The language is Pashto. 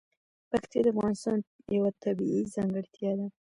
پکتیا د افغانستان یوه طبیعي ځانګړتیا ده.